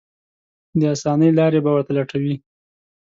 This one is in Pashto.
د اسانۍ لارې به ورته لټوي.